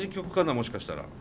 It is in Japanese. もしかしたら。